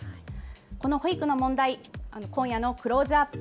この保育の問題、今夜のクローズアップ